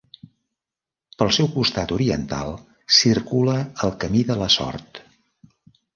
Pel seu costat oriental circula el Camí de la Sort.